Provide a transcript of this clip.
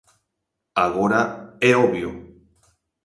Agora é obvio.